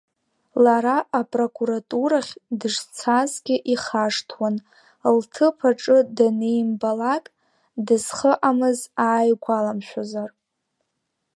Лара апрокуратурахь дышцазгьы ихашҭуан, лҭыԥ аҿы данимбалак, дызхыҟамыз ааигәаламшәозар.